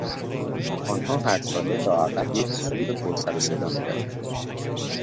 آنها هر ساله لااقل یک سور پر سر و صدا میدادند.